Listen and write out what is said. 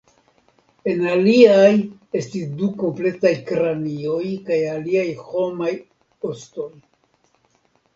En aliaj estis du kompletaj kranioj kaj aliaj homaj ostoj.